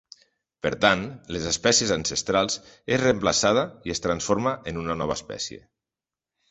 Per tant, les espècies ancestrals és reemplaçada i es transforma en una nova espècie.